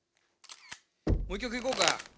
もう一曲いこうか。